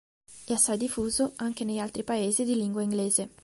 È assai diffuso anche negli altri paesi di lingua inglese.